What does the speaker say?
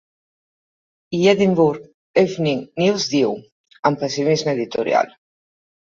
I Edinburgh Evening News diu, amb pessimisme editorial.